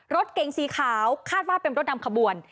รถเก๋งสีขาวคาดว่าเป็นรถนำขบวน